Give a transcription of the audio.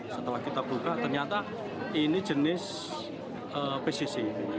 setelah kita buka ternyata ini jenis pcc